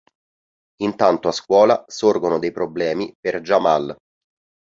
Intanto a scuola sorgono dei problemi per Jamal.